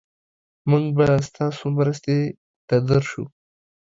مونږ به ستاسو مرستې ته درشو.